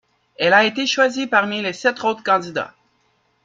Elle a été choisie parmi sept autres candidats.